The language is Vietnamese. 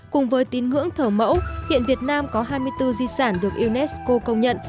cùng với tín ngưỡng thờ mẫu hiện việt nam có hai mươi bốn di sản được unesco công nhận